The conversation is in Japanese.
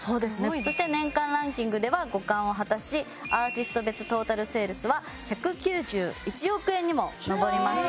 そして年間ランキングでは５冠を果たしアーティスト別トータルセールスは１９１億円にも上りました。